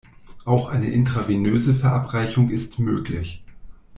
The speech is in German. Auch eine intravenöse Verabreichung ist möglich.